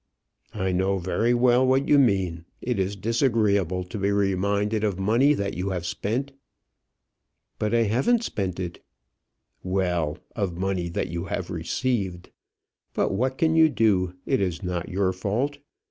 "I know very well what you mean. It is disagreeable to be reminded of money that you have spent." "But I haven't spent it." "Well, of money that you have received. But what can you do? It is not your fault.